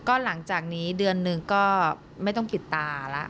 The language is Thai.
ก็หลังจากนี้เดือนหนึ่งก็ไม่ต้องปิดตาแล้ว